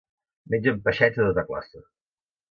Mengen peixets de tota classe.